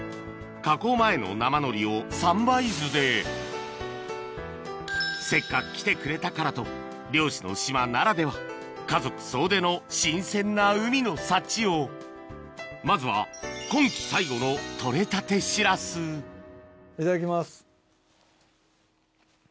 加工前の生のりを三杯酢でせっかく来てくれたからと漁師の島ならでは家族総出の新鮮な海の幸をまずは今期最後の取れたてしらすいただきます。